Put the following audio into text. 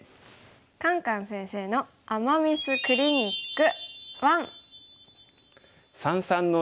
「カンカン先生の“アマ・ミス”クリニック１」。